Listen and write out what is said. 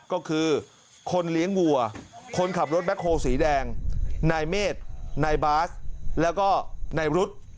ก็คือคนเลี้ยงวัวคนขับรถแบ็คโฮลสีแดงนายเมฆนายบาสแล้วก็นายรุธ